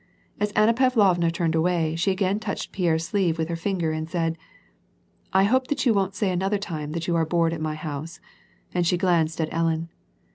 As Anna Pavlovna turned away, she again touched Pierre's sleeve with her finger, and said :— "I hoj)e that you won't say another time that you are bored at my house/' ♦ and she glanced at Ellen.